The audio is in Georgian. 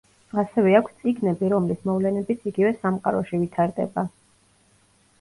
ასევე აქვს წიგნები, რომლის მოვლენებიც იგივე სამყაროში ვითარდება.